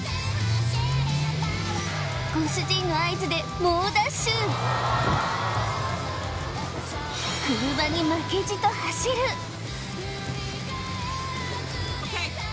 ご主人の合図で車に負けじと走るＯＫ！